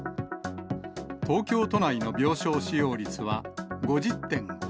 東京都内の病床使用率は５０．５％。